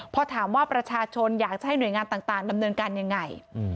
พอถามว่าประชาชนอยากจะให้หน่วยงานต่างดำเนินการยังไง